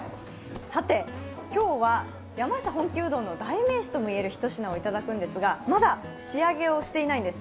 さて、今日は山下本気うどんの代名詞とも言えるひと品をいただくんですがまだ仕上げをしていないんです。